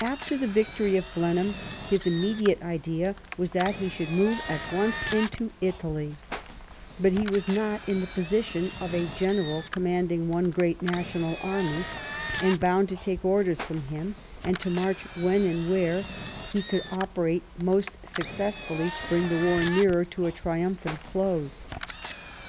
After the victory of Blenheim his immediate idea was that he should move at once into Italy, but he was not in the position of a general commanding one great national army, bound to take its orders from him and to march when and where he could operate most suc cessfully to bring the war nearer to a triimiphant close.